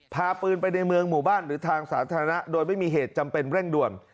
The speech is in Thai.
พาปืนไปในเมืองหมู่บ้านหรือทางสาธารณะโดยไม่มีเหตุจำเป็นเร่งด่วน